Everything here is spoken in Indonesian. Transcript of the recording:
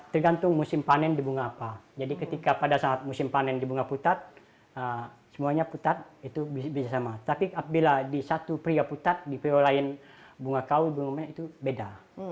tergantung musim panen di bunga apa jadi ketika pada saat musim panen di bunga putat semuanya putat itu bisa sama tapi apabila di satu pria putat di prio lain bunga kau itu beda